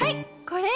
これ。